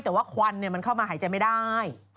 แต่ว่าควันมันเข้ามาหายใจไม่ได้